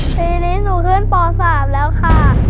ทีนี้หนูขึ้นป๓แล้วค่ะ